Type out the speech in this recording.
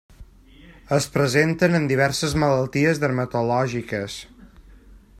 Es presenten en diverses malalties dermatològiques.